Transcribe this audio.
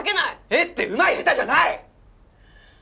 絵ってうまいヘタじゃない！